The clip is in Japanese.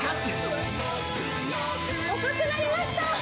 遅くなりました！